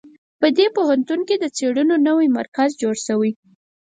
په دې پوهنتون کې د څېړنو نوی مرکز جوړ شوی